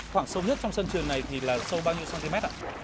khoảng sâu nhất trong sân trường này thì là sâu bao nhiêu cm ạ